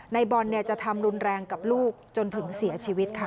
ในบอลจะทำรุนแรงกับลูกจนถึงเสียชีวิตค่ะ